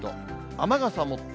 雨傘持って。